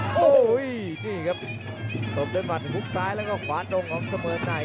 โอ้โหนี่ครับต้มเดินมาถึงกุ๊กซ้ายแล้วก็ขวาตรงของเสมอใจ